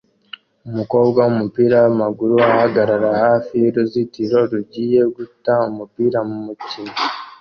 Umukobwa wumupira wamaguru ahagarara hafi yuruzitiro rugiye guta umupira mukina